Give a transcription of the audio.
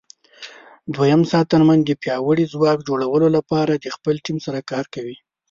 دوهم ساتنمن د پیاوړي ځواک جوړولو لپاره د خپل ټیم سره کار کوي.